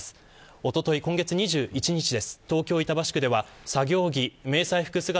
おととい、今月２１日です。